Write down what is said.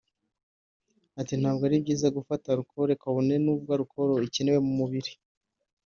Ati “Ntabwo ari byiza gufata arukoro kabone nubwo arukoro ikenewe mu mubiri